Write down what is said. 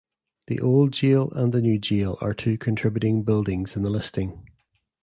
The Old Jail and the New Jail are two contributing buildings in the listing.